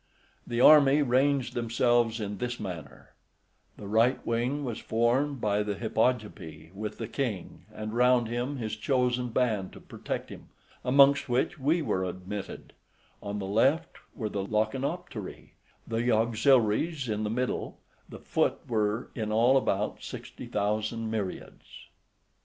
The army ranged themselves in this manner: the right wing was formed by the Hippogypi, with the king, and round him his chosen band to protect him, amongst which we were admitted; on the left were the Lachanopteri; the auxiliaries in the middle, the foot were in all about sixty thousand myriads.